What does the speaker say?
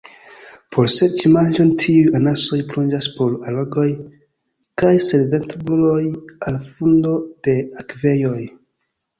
Por serĉi manĝon tiuj anasoj plonĝas por algoj kaj senvertebruloj al fundo de akvejoj.